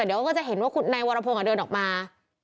เขาก็จะเห็นว่านายวรพงษ์เดินออกมา